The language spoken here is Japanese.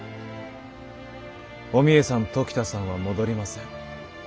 お三枝さん時田さんは戻りません。